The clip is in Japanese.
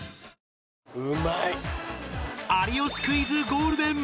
『有吉クイズ』ゴールデン